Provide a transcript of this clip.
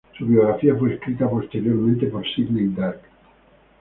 Su biografía fue escrita posteriormente por Sidney Dark.